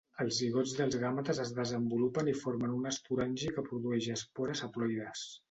Els zigots dels gàmetes es desenvolupen i formen un esporangi que produeix espores haploides.